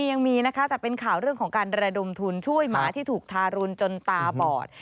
ยังมีนะคะแต่เป็นข่าวเรื่องของการระดมทุนช่วยหมาที่ถูกทารุณจนตาบอด